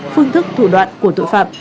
phương thức thủ đoạn của tội phạm